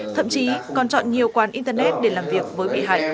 thậm chí còn chọn nhiều quán internet để làm việc với bị hại